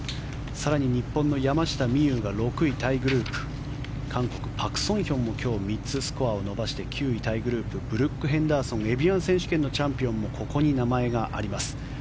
更に日本の山下美夢有が６位タイグループ韓国、パク・ソンヒョンも今日３つスコアを伸ばして９位タイグループブルック・ヘンダーソンエビアン選手権のチャンピオンもここに名前があります。